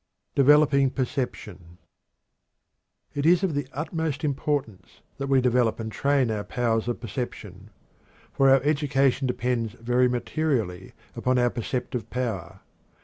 DEVELOPING PERCEPTION. It is of the utmost importance that we develop and train our powers of perception. For our education depends very materially upon our perceptive power.